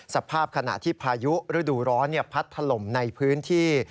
สภาพขณะที่พายุฤดูร้อนพัดถล่มในพื้นที่